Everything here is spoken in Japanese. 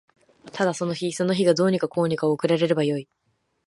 ただその日その日がどうにかこうにか送られればよい